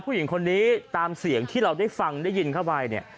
ผู้หญิงคนนี้ตามเสียงที่เราได้ฟังได้ยินเข้าไปเนี่ย